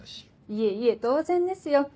いえいえ当然ですよ。